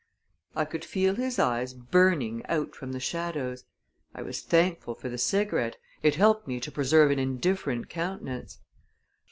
I could feel his eyes burning out from the shadows; I was thankful for the cigarette it helped me to preserve an indifferent countenance.